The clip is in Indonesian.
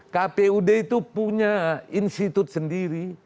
kpud itu punya institut sendiri